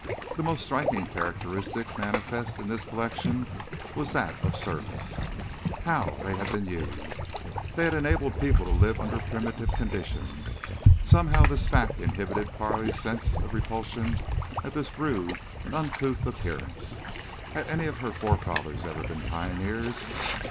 The most striking characteristic manifest in this collection was that of service. How they had been used! They had enabled people to live under primitive conditions. Somehow this fact inhibited Carley's sense of repulsion at their rude and uncouth appearance. Had any of her forefathers ever been pioneers?